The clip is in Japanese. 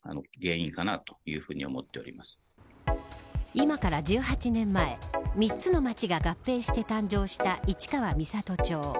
今から１８年前３つの町が合併して誕生した市川三郷町。